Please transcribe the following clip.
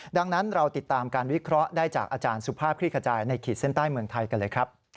ดังนั้นเราติดตามการวิเคราะห์ได้จากอาจารย์สุภาพคลี่ขจายในขีดเส้นใต้เมืองไทยกันเลยครับ